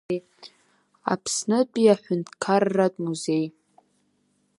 Аԥснытәиаҳәынҭқарратә музеи…